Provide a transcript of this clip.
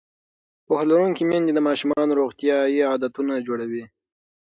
پوهه لرونکې میندې د ماشومانو روغتیایي عادتونه جوړوي.